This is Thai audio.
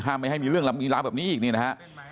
ห้ามไม่ให้มีเรื่องร้านแบบนี้อีกนะฮะ